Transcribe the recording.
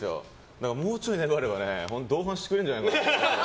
だからもうちょい粘れば同伴してくれるんじゃないかなって。